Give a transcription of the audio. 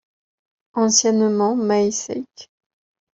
Anciennement Maeseyck.